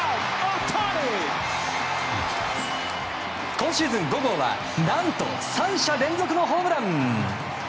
今シーズン５号は何と３者連続のホームラン！